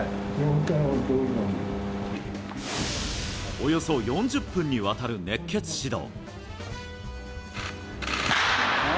およそ４０分に渡る熱血指導。